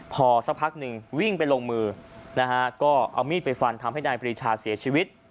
พอสักพักหนึ่งวิ่งไปลงมือนะฮะก็เอามีดไปฟันทำให้นายปรีชาเสียชีวิต